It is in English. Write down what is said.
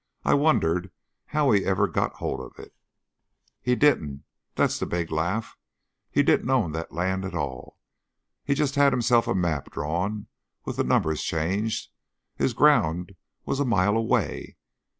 I wondered how he ever got hold of it." "He didn't. That's the big laugh. He didn't own that land at all. He just had himself a map drawn, with the numbers changed. His ground was a mile away.